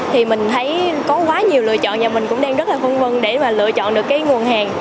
thì mình thấy có quá nhiều lựa chọn và mình cũng đang rất là phung vân để mà lựa chọn được cái nguồn hàng